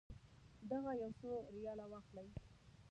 دغه یو څو ریاله واخلئ.